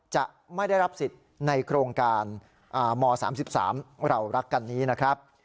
จะไม่ได้รับสิทธิ์ในโครงการม๓๓เรารักกันนี้นะครับ